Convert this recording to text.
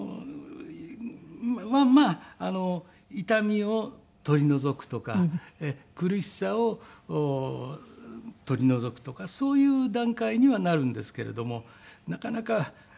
まあまあ痛みを取り除くとか苦しさを取り除くとかそういう段階にはなるんですけれどもなかなか難しい病気で。